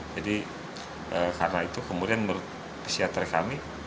jadi karena itu kemudian menurut psikiatri kami